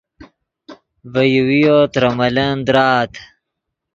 ڤے یوویو ترے ملن درآت